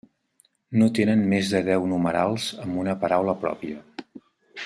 No tenen més de deu numerals amb una paraula pròpia.